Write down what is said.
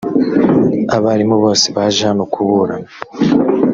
abarimu bose baje hano kuburana